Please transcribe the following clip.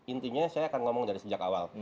intinya saya akan ngomong dari sejak awal